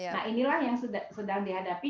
nah inilah yang sedang dihadapi